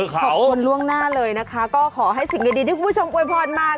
ขอบคุณล่วงหน้าเลยนะคะก็ขอให้สิ่งดีที่คุณผู้ชมอวยพรมา